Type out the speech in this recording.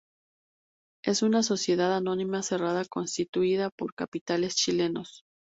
Es una sociedad anónima cerrada constituida por capitales chilenos.